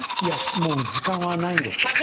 いやもう時間はないんです。